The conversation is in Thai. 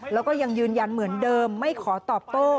แล้วก็ยังยืนยันเหมือนเดิมไม่ขอตอบโต้